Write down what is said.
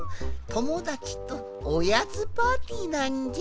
ともだちとおやつパーティーなんじゃ。